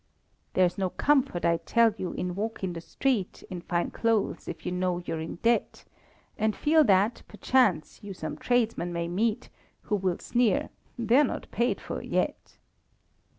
There's no comfort, I tell you, in walking the street In fine clothes, if you know you're in debt, And feel that, perchance, you some tradesman may meet, Who will sneer "They're not paid for yet."